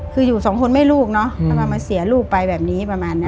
คืออยู่สองคนแม่ลูกเนาะทำไมมาเสียลูกไปแบบนี้ประมาณนี้